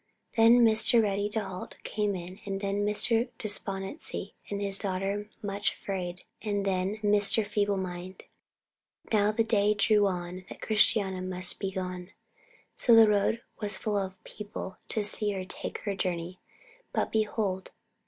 Then Mr. Ready to halt came in, and then Mr. Despondency and his daughter Much afraid, and then Mr. Feeble mind. Now the day drew on that Christiana must be gone. So the road was full of people to see her take her journey. But, behold!